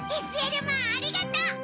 ＳＬマンありがとう！